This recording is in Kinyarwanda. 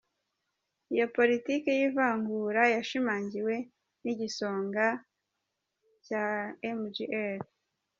Iyo politiki y’ivangura yashimangiwe n’igisonga cya Mgr.